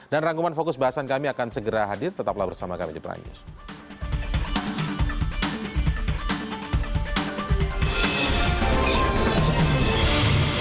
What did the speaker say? dan rangkuman fokus bahasan kami akan segera hadir tetaplah bersama kami di prime news